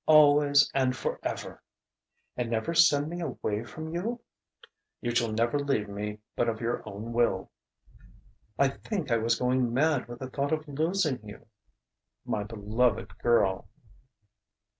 "Always and forever." "And never send me away from you?" "You shall never leave me but of your own will." "I think I was going mad with the thought of losing you!" "My beloved girl!..."